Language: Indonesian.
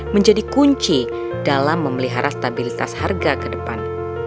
menjadi kunci dalam memelihara stabilitas harga ke depan